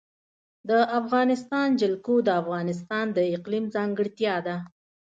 د افغانستان جلکو د افغانستان د اقلیم ځانګړتیا ده.